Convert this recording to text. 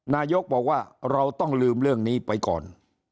นายกบอกว่าเราต้องลืมเรื่องนี้ไปก่อน